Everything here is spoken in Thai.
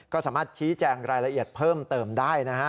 ก็สามารถชี้แจงรายละเอียดเพิ่มเติมได้นะฮะ